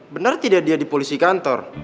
bener dia tidak di polisi kantor